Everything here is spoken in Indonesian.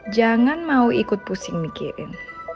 jangan mau ikut pusing mikirin